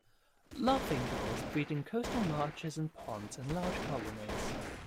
Laughing gulls breed in coastal marshes and ponds in large colonies.